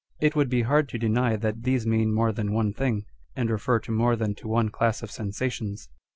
It would be hard to deny that these mean more than one thing, and refer to more than to one class of sensations.